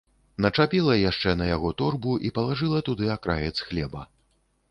Начапіла яшчэ на яго торбу і палажыла туды акраец хлеба.